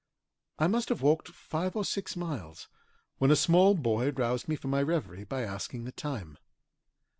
I must have walked five or six miles, when a small boy roused me from my reverie by asking the time.